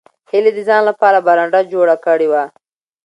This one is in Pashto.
هیلې د ځان لپاره برنډه جوړه کړې وه